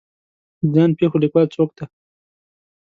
د ځان پېښو لیکوال څوک دی